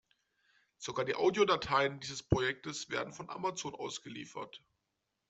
Sogar die Audiodateien dieses Projektes werden von Amazon ausgeliefert.